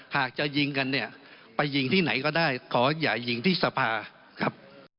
หากจะยิงกันเนี่ยไปยิงที่ไหนก็ได้ขออย่ายิงที่สภาครับ